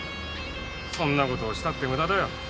そんなことをしたって無駄だよ。